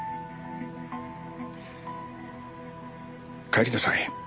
帰りなさい。